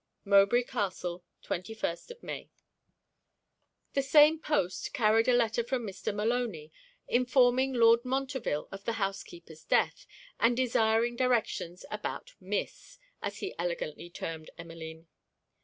Mowbray Castle, 21st May. The same post carried a letter from Mr. Maloney, informing Lord Montreville of the housekeeper's death, and desiring directions about Miss, as he elegantly termed Emmeline.